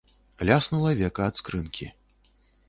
Ляснула века ад скрынкі.